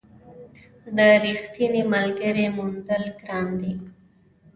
د رښتیني ملګري موندل ګران دي.